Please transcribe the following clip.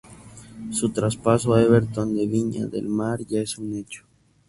Su traspaso a Everton de Viña del Mar ya es un hecho.